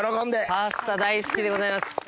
パスタ大好きでございます。